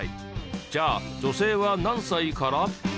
じゃあ女性は何歳から？